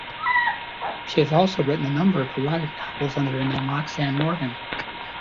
She has also written a number of erotic novels under the name Roxanne Morgan.